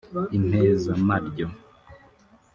impezamaryo